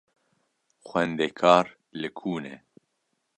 Xwendekar li ku ne?